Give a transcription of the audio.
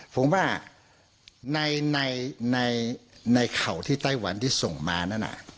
ผมว่าในเข่าที่ไต้หวันที่ส่งมานั่น